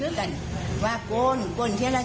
ลุงว่าเรียกล่ะ